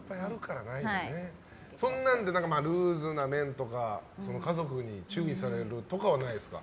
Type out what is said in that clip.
そんなんでルーズな面とか家族に注意されるとかはないですか？